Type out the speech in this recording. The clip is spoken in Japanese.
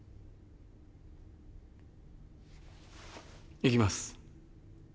行きます。